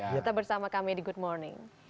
tetap bersama kami di good morning